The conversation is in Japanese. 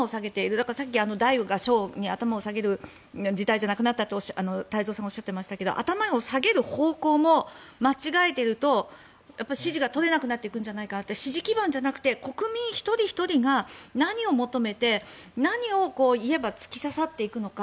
だから、さっき大が小に頭を下げる時代じゃなくなったと太蔵さんがおっしゃってましたが頭を下げる方向を間違えていると支持が取れなくなっていくんじゃないかと支持基盤じゃなくて国民一人ひとりが何を求めて何を言えば突き刺さっていくのか。